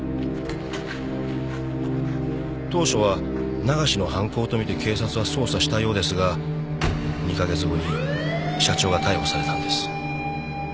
当初は流しの犯行とみて警察は捜査したようですが２カ月後に社長が逮捕されたんです。